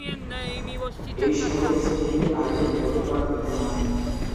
এই সময়ে স্কুলটিতে নারীদের ভর্তি করা হতো না।